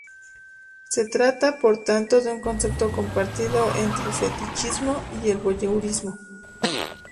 Se trata por tanto de un concepto compartido entre el fetichismo y el voyeurismo.